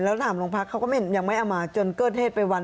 แล้วถามโรงพักเขาก็ไม่เห็นอย่างไม้อาหมาจนเกิดเทศไปวัน